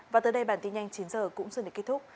và tới đây bản tin nhanh chín h cũng xin để kết thúc